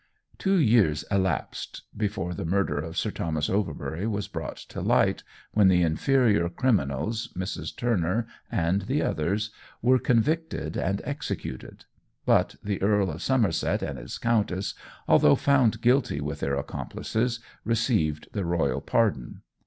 Two years elapsed before the murder of Sir Thomas Overbury was brought to light, when the inferior criminals, Mrs. Turner and the others, were convicted and executed; but the Earl of Somerset and his countess, although found guilty with their accomplices, received the royal pardon.